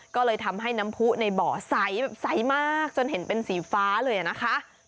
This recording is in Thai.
ก็เลยทำให้น้ำผู้ในบ่อใสแบบใสมากจนเห็นเป็นสีฟ้าเลยนะคะ